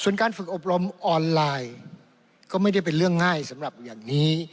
ส่วนการฝึกอบรมออนไลน์ก็ไม่ได้เป็นเรื่องง่ายสำหรับอย่างนี้